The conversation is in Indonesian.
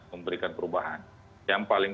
memberikan perubahan yang paling